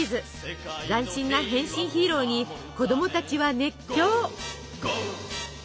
斬新な変身ヒーローに子供たちは熱狂！